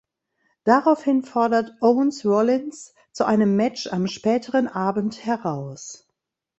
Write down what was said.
Daraufhin fordert Owens Rollins zu einem Match am späteren Abend heraus.